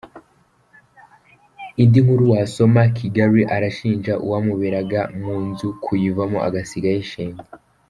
Indi nkuru wasoma: Kigali: Arashinja uwamuberaga mu nzu kuyivamo agasiga ayishenye.